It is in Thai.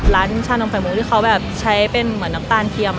ชานมไข่มุกที่เขาแบบใช้เป็นเหมือนน้ำตาลเทียม